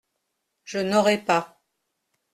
Je n’aurai pas.